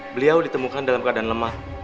beliau ditemukan dalam keadaan lemah